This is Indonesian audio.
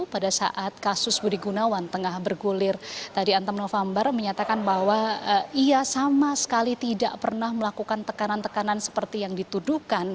pada saat kasus budi gunawan tengah bergulir tadi antem novambar menyatakan bahwa ia sama sekali tidak pernah melakukan tekanan tekanan seperti yang dituduhkan